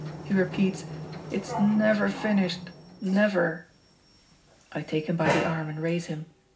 He repeats, "It's never finished, never!" I take him by the arm and raise him.